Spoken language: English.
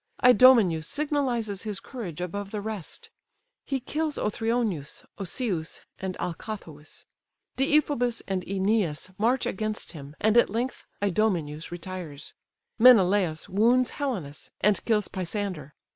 Idomeneus signalizes his courage above the rest; he kills Othryoneus, Asius, and Alcathous: Deiphobus and Æneas march against him, and at length Idomeneus retires. Menelaus wounds Helenus, and kills Pisander.